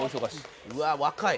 「うわあ若い」